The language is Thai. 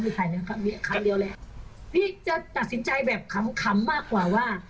พี่จะตัดสินใจแบบคำมากกว่าว่า